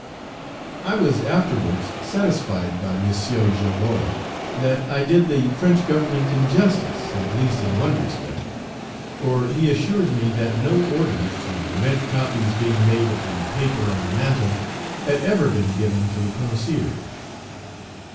I was afterwards satisfied by M. Girod that I did the French Government injustice, at least in one respect; for he assures me that no orders to prevent copies being made of the paper on the mantel, had ever been given to the concierge.